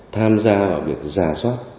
tham gia vào việc giả soát